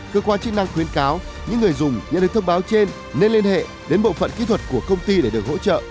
cơ quan chức năng khuyến cáo những người dùng nhận được thông báo trên nên liên hệ đến bộ phận kỹ thuật của công ty để được hỗ trợ